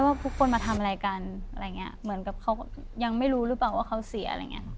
ว่าทุกคนมาทำอะไรกันอย่างไม่รู้ว่าเขาเสีย